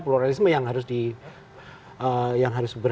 pluralisme yang harus